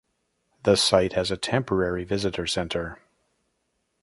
The site has a temporary visitor center.